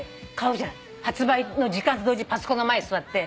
発売の時間と同時にパソコンの前座って。